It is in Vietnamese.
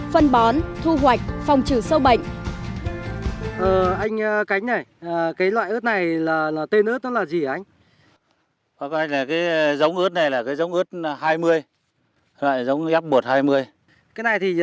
phân bón thu hoạch phòng trừ sâu bệnh